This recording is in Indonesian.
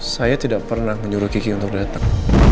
saya tidak pernah menyuruh kiki untuk datang